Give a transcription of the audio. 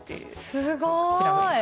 すごい。